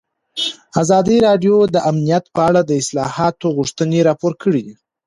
ازادي راډیو د امنیت په اړه د اصلاحاتو غوښتنې راپور کړې.